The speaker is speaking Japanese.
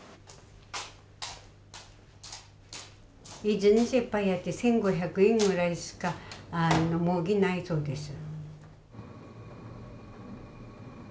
一日いっぱいやって１，５００円ぐらいしか儲けないそうです。